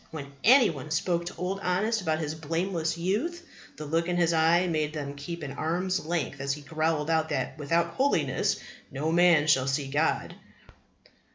When any one spoke to Old Honest about his blameless youth, the look in his eye made them keep at arm's length as he growled out that without holiness no man shall see God!